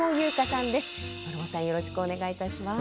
丸茂さんよろしくお願いいたします。